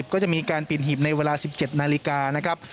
ก็จะมีการปินหีบในเวลา๑๗นาฬิกา